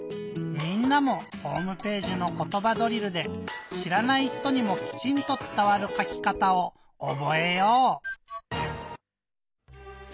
みんなもホームページの「ことばドリル」でしらない人にもきちんとつたわるかきかたをおぼえよう！